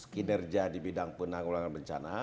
kinerja di bidang penanggulangan bencana